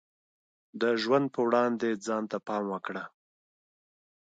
د ژوند په وړاندې ځان ته پام وکړه.